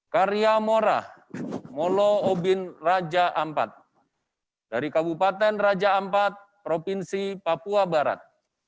karya morah molo obin raja ampat dari kabupaten raja ampat provinsi papua barat